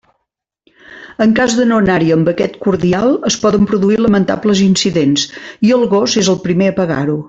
En cas de no anar-hi amb aquest cordial, es poden produir lamentables incidents, i el gos és el primer a pagar-ho.